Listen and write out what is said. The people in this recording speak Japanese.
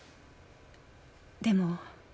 でも。